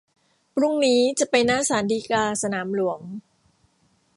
พรุ่งนี้จะไปหน้าศาลฎีกา สนามหลวง